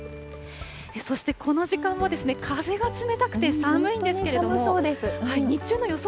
そしてこの時間も風が冷たくて寒いんですけれども、日中の予想